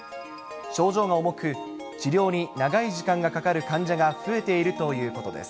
症状が重く、治療に長い時間がかかる患者が増えているということです。